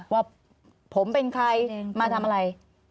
ว่าผมเป็นใครมาทำอะไร